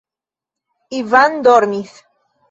Ivan dormis.